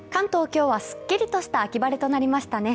今日は、すっきりとした秋晴れとなりましたね。